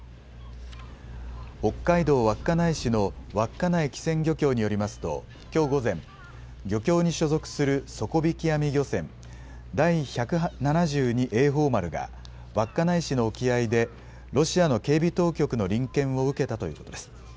北海道稚内市の稚内機船漁協によりますと、きょう午前、漁協に所属する底引き網漁船、第１７２榮寶丸が、稚内市の沖合で、ロシアの警備当局の臨検を受けたということです。